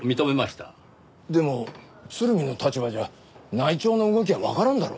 でも鶴見の立場じゃ内調の動きはわからんだろ。